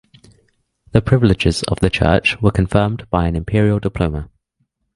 The privileges of the church were confirmed by an imperial diploma.